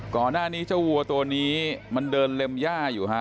ก่อนหน้านี้เจ้าวัวตัวนี้มันเดินเล็มย่าอยู่ฮะ